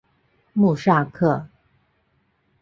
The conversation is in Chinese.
穆萨克。